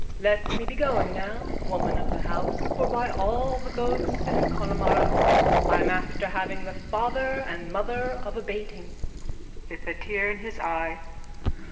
_ Let me be going now, woman of the house, for by all the goats in Connemara I'm after having the father and mother of a bating. _(With a tear in his eye.)